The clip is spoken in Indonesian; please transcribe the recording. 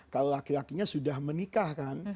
kalau laki lakinya sudah menikah kan